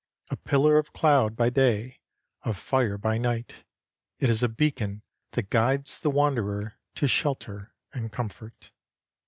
A pillar of cloud by day, of fire by night, it is a beacon that guides the wanderer to shelter and comfort.